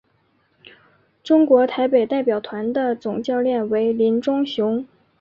中华台北代表团的总教练为林忠雄。